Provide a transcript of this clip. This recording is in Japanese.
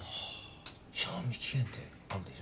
賞味期限ってあるでしょ？